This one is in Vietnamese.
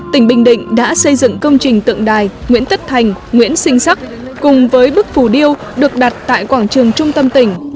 tỉnh bình định đã xây dựng công trình tượng đài nguyễn tất thành nguyễn sinh sắc cùng với bức phù điêu được đặt tại quảng trường trung tâm tỉnh